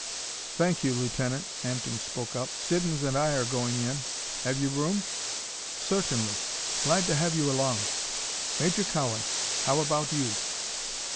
"Thank you, Lieutenant," Hampden spoke up, "Siddons and I are going in. Have you room?" "Certainly. Glad to have you along. Major Cowan, how about you?"